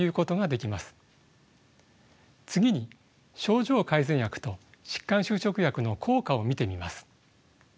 次に症状改善薬と疾患修飾薬の効果を見てみます。